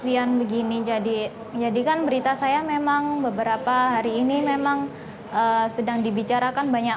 pilihan begini jadikan berita saya memang beberapa hari ini memang sedang dibicarakan banyak